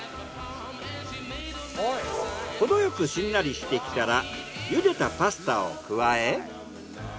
ほどよくしんなりしてきたら茹でたパスタを加え。